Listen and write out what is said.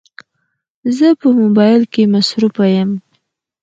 زه په موبایل کې مصروفه یم